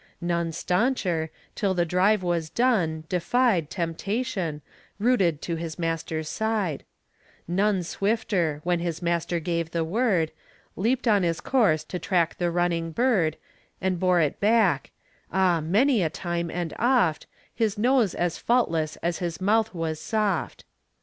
None stauncher, till the drive was done, defied Temptation, rooted to his master's side; None swifter, when his master gave the word, Leapt on his course to track the running bird, And bore it back ah, many a time and oft His nose as faultless as his mouth was soft.